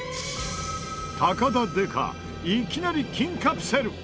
高田デカいきなり金カプセル！